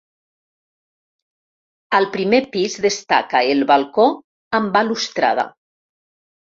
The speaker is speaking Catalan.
Al primer pis destaca el balcó amb balustrada.